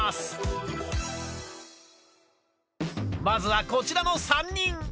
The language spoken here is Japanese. まずはこちらの３人。